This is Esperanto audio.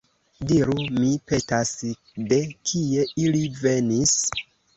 Diru, mi petas, de kie ili venis?